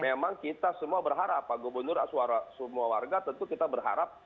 memang kita semua berharap pak gubernur s w w tentu kita berharap